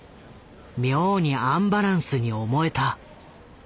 妙にアンバランスに思えた。